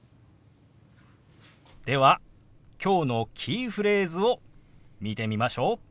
ではきょうのキーフレーズを見てみましょう。